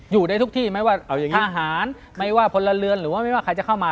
อยู่ในทุกที่ไม่ว่าทหารไม่ว่าคนละเรือนหรือไม่ว่าใครจะเข้ามา